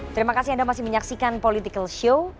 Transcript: terima kasih anda masih menyaksikan political show